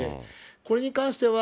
これに関しては、